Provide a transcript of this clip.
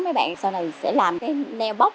mấy bạn sau này sẽ làm cái nail box